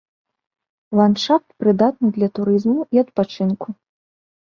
Ландшафт прыдатны для турызму і адпачынку.